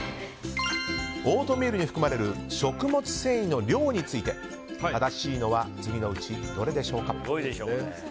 オートミールに含まれる食物繊維の量について正しいのは次のうちどれでしょう？